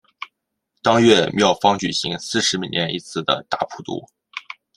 当月庙方举行四十年一次的大普度。